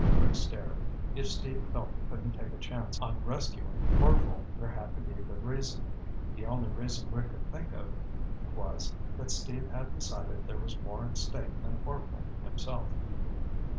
Rick stared. If Steve felt he couldn't take a chance on rescuing Orvil, there had to be a good reason. The only reason Rick could think of was that Steve had decided there was more at stake than Orvil himself.